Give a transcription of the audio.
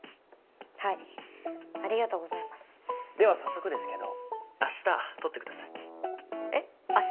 はいありがとうございますでは早速ですけど明日取ってくださいえっ明日？